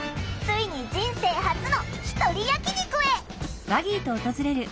ついに人生初のひとり焼き肉へ！